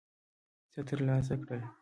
څه ترلاسه کړل.